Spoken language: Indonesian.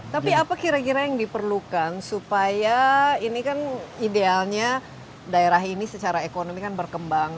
tapi apa kira kira yang diperlukan supaya ini kan idealnya daerah ini secara ekonomi kan berkembang